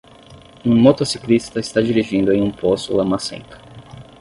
Um motociclista está dirigindo em um poço lamacento.